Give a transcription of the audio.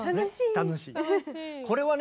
楽しいね。